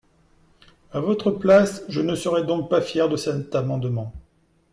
À votre place, je ne serai donc pas fier de cet amendement.